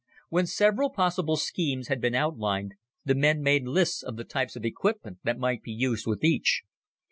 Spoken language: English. When several possible schemes had been outlined, the men made lists of the types of equipment that might be used with each.